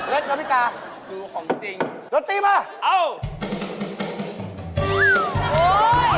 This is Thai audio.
เล็กน้ำมิกาคือของจริงโรตตี้มาเอ้า